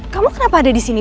kamu kenapa ada di sini